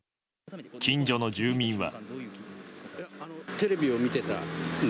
近所の住民は。